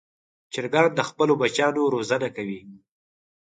چرګان د خپلو بچیانو روزنه کوي.